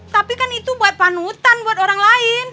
tapi kan itu buat panutan buat orang lain